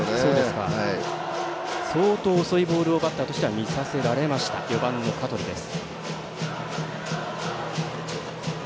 相当遅いボールをバッターとしては見させられました、香取です。